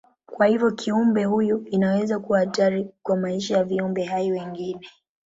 Kwa hivyo kiumbe huyu inaweza kuwa hatari kwa maisha ya viumbe hai wengine.